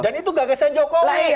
dan itu gagasan jokowi